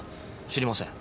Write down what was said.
知りません。